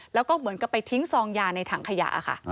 แล้วก็เหมือนกับไปทิ้งซองยาในถังขยะค่ะ